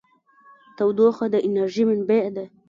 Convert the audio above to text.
تودوخه د انرژۍ منبع ده.